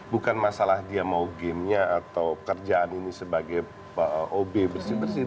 bukan masalah dia mau gamenya atau kerjaan ini sebagai ob bersih bersih